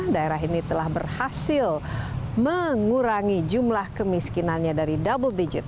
daerah ini telah berhasil mengurangi jumlah kemiskinannya dari double digit